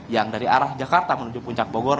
yang dari arah jakarta menuju puncak bogor